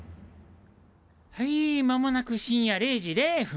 はい間もなく深夜０時０分。